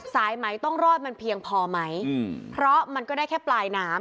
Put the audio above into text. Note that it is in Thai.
สายไหมต้องรอดมันเพียงพอไหมเพราะมันก็ได้แค่ปลายน้ำ